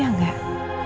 aku ngadopsi dia